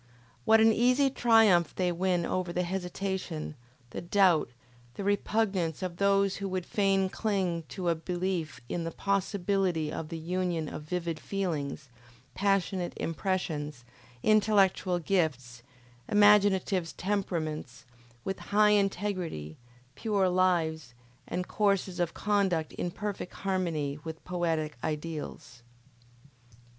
What an easy triumph they win over the hesitation, the doubt, the repugnance of those who would fain cling to a belief in the possibility of the union of vivid feelings, passionate impressions, intellectual gifts, imaginative temperaments, with high integrity, pure lives, and courses of conduct in perfect harmony with poetic ideals!